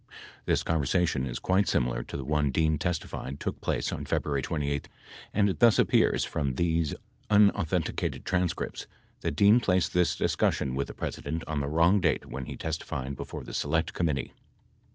53 This conversation is quite similar to the one Dean testified took place on February 28 and it thus appears, from these unauthenticated transcripts, that Dean placed this discussion with the President on the wrong date when he testified before the Select Committee.